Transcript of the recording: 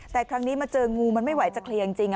แต่ครั้งนี้มาเจองูมันไม่ไหวจะเคลียร์จริง